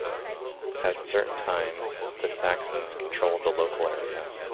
At certain times, the Saxons controlled the local area.